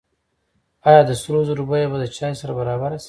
آیا د سرو زرو بیه به د چای سره برابره شي؟